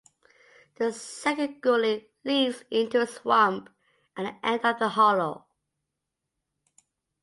The second gully leads into a swamp at the end of the hollow.